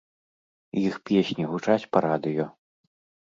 Іх песні гучаць па радыё?